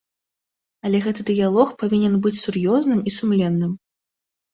Але гэты дыялог павінен быць сур'ёзным і сумленным.